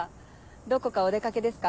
どこかお出掛けですか？